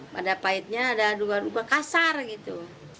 pada pahitnya ada dua dua kasar gitu